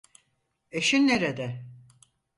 Eşin nerede?